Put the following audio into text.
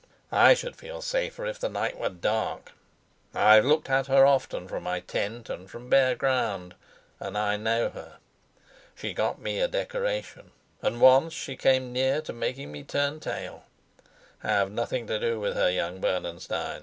I should feel safer if the night were dark. I've looked at her often from my tent and from bare ground, and I know her. She got me a decoration, and once she came near to making me turn tail. Have nothing to do with her, young Bernenstein."